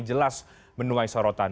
jelas menuai sorotan